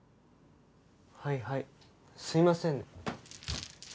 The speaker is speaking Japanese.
はいはいすいませんね。